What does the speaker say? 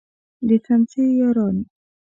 د څمڅې یاران.